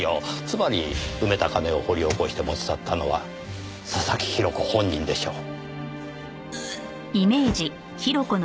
つまり埋めた金を掘り起こして持ち去ったのは佐々木広子本人でしょう。